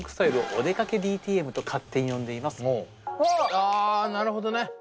あなるほどね！